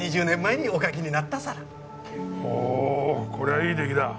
ほうこりゃいい出来だ。